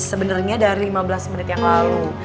sebenarnya dari lima belas menit yang lalu